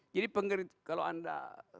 jadi kalau anda